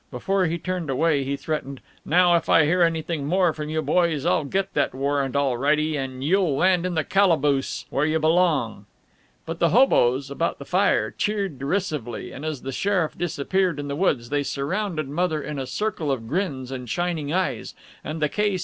Before he turned away he threatened, "Now if I hear of anything more from you boys, I'll get that warrant, all righty, and you'll land in the calaboose, where you belong." But the hoboes about the fire cheered derisively, and as the sheriff disappeared in the woods they surrounded Mother in a circle of grins and shining eyes, and the K.